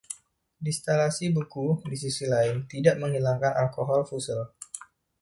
Distilasi beku, di sisi lain, tidak menghilangkan alkohol fusel.